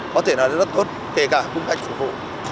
có thể là rất tốt kể cả cung khách phục vụ